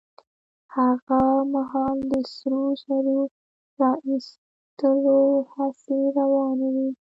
هغه مهال د سرو زرو را ايستلو هڅې روانې وې.